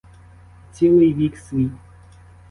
І цілий вік свій!